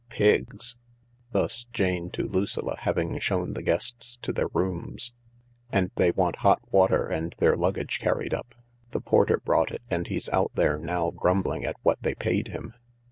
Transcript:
Pigs !" Thus Jane to Lucilla, having shown the guests to their rooms. " And they want hot water and their luggage carried up. The porter brought it and he's out there now, grumbling at what they paid him.